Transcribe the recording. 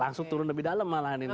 langsung turun lebih dalam malahan ini